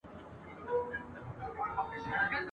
زه حاصل غواړم له مځکو د باغلیو ..